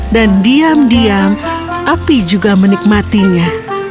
diam diam api juga menikmatinya